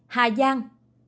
hai mươi hai hà giang